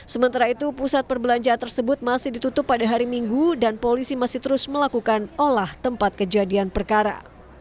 sementara itu pusat perbelanjaan tersebut masih ditutup pada hari minggu dan polisi masih terus melakukan olah tempat kejadian perkara